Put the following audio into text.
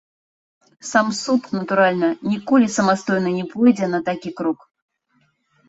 Сам суд, натуральна, ніколі самастойна не пойдзе на такі крок.